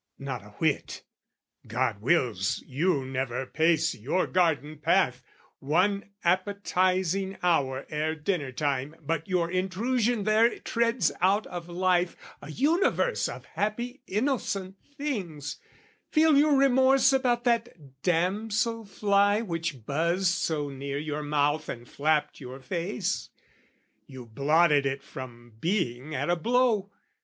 Not a whit. God wills you never pace your garden path One appetising hour ere dinner time But your intrusion there treads out of life An universe of happy innocent things: Feel you remorse about that damsel fly Which buzzed so near your mouth and flapped your face, You blotted it from being at a blow?